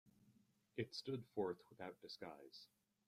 It stood forth without disguise.